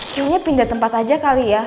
kayaknya pindah tempat aja kali ya